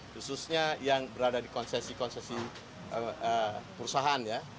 khususnya yang berada di konsesi konsesi perusahaannya